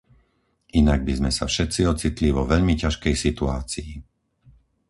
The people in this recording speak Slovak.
Inak by sme sa všetci ocitli vo veľmi ťažkej situácii.